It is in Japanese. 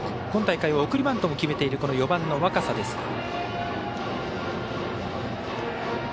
今大会は送りバントも決めている４番の若狭です。